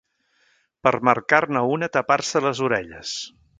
per marcar-ne una Tapar-se les orelles